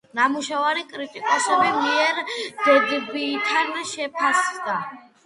ნამუშევარი კრიტიკოსების მიერ დედბითად შეფასდა.